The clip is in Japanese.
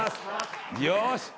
よし。